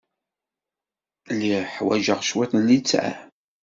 Lliɣ ḥwaǧeɣ cwiṭ n litteɛ.